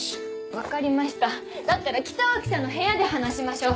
分かりましただったら北脇さんの部屋で話しましょう。